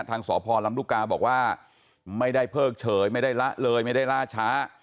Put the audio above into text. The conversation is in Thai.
ทางสพลำลูกกาบอกว่าไม่ได้เพิกเฉยไม่ได้ละเลยไม่ได้ล่าช้า